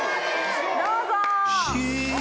どうぞ！